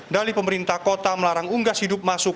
dali pemerintah kota melarang unggas hidup masuk